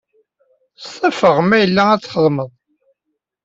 StafeƔ ma yella ad t-txedmeḍ.